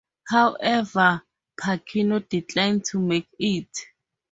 However Pacino declined to make it.